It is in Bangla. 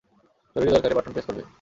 জরুরী দরকারে, বাটন প্রেস করবে।